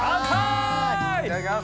いただきます。